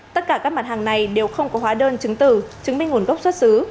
tất cả các mặt hàng này đều không có hóa đơn chứng từ chứng minh nguồn gốc xuất xứ